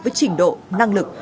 với trình độ năng lực